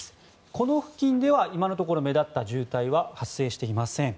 この付近では今のところ目立った渋滞は発生していません。